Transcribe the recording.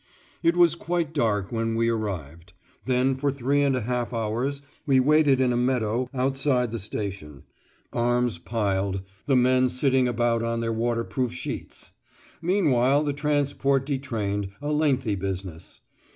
It was quite dark when we arrived. Then for three and a half hours we waited in a meadow outside the station, arms piled, the men sitting about on their waterproof sheets. Meanwhile the transport detrained, a lengthy business.